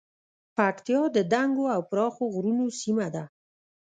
پکتیا د دنګو او پراخو غرونو سیمه ده